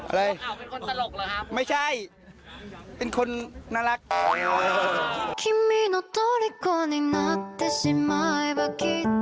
อะไรพวกเขาเป็นคนตลกเหรอครับไม่ใช่เป็นคนน่ารัก